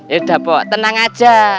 ya udah pak tenang aja